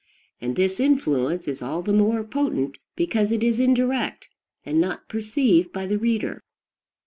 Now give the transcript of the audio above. And this influence is all the more potent because it is indirect, and not perceived by the reader.